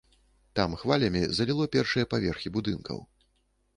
Там хвалямі заліло першыя паверхі будынкаў.